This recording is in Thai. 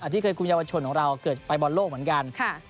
ที่เคยคุมเยาวชนของเราเกิดไปบอลโลกเหมือนกัน